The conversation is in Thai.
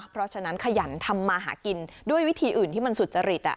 เพราะฉะนั้นขยันทำมาหากินด้วยวิธีอื่นที่มันสุจริต